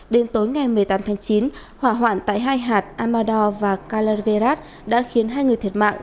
đến tối ngày một mươi tám tháng chín hỏa hoạn tại hai hạt amado và kallavearat đã khiến hai người thiệt mạng